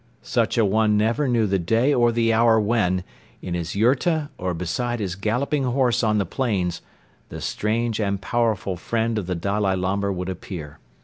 Such an one never knew the day or the hour when, in his yurta or beside his galloping horse on the plains, the strange and powerful friend of the Dalai Lama would appear.